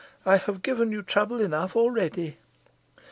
I have given you trouble enough already."